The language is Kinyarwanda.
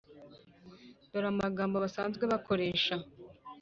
dore amagambo basanzwe bakoresha,